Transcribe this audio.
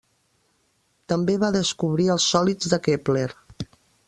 També va descobrir els sòlids de Kepler.